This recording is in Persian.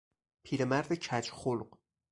پیرمرد کج خلق